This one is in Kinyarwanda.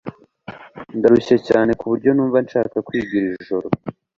Ndarushye cyane kuburyo numva ntashaka kwiga iri joro